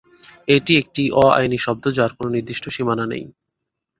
এটি একটি অ-আইনি শব্দ, যার কোনো নির্দিষ্ট সীমানা নেই।